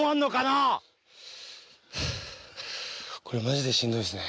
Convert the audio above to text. これマジでしんどいですね。